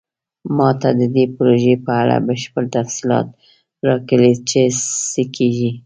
ما ته د دې پروژې په اړه بشپړ تفصیلات راکړئ چې څه کیږي